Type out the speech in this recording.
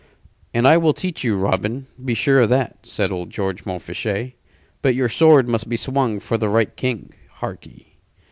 "And I will teach you, Robin: be sure of that," said old George Montfichet. "But your sword must be swung for the right King, harkee.